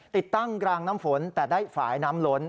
ติดตั้งรางน้ำฝนแต่ได้ฝ่ายน้ำล้น